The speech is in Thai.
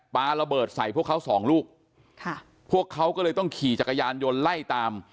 ปลาระเบิดใส่พวกเขาสองลูกค่ะพวกเขาก็เลยต้องขี่จักรยานยนต์ไล่ตาม